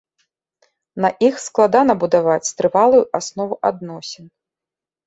На іх складана будаваць трывалую аснову адносін.